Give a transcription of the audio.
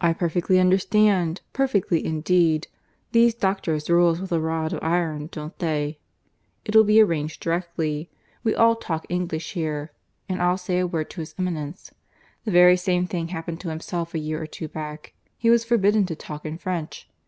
"I perfectly understand perfectly indeed. These doctors rule us with a rod of iron, don't they? It'll be arranged directly. We all talk English here; and I'll say a word to His Eminence. The very same thing happened to himself a year or two back. He was forbidden to talk in French.